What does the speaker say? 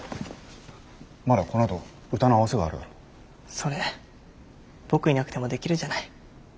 それ僕いなくてもできるじゃない。